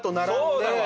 そうだわ。